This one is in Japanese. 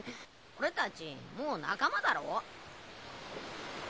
俺たちもう仲間だろ。